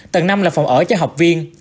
tầng năm là phòng ở cho học viên